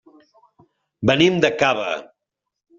Venim de Cava.